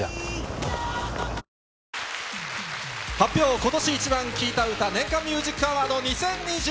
今年イチバン聴いた歌年間ミュージックアワード２０２２。